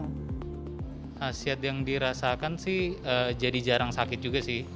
khasiat yang dirasakan sih jadi jarang sakit juga sih